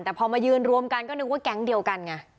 แต่พอมายืนรวมกันก็นึกว่าแก๊งเดียวกันไง